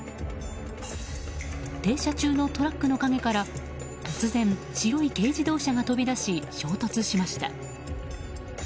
停車中のトラックの陰から突然、白い軽自動車が飛び出し衝突しました。